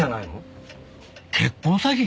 結婚詐欺？